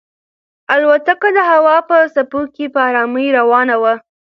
الوتکه د هوا په څپو کې په ارامۍ روانه وه.